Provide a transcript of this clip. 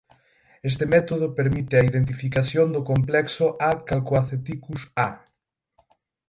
Este método permite a identificación do complexo "A. calcoaceticus–A.